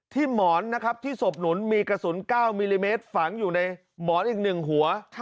หมอนนะครับที่ศพหนุนมีกระสุน๙มิลลิเมตรฝังอยู่ในหมอนอีก๑หัว